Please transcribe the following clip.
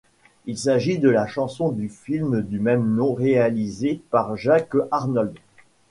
Il s'agit de la chanson du film du même nom réalisé par Jack Arnold.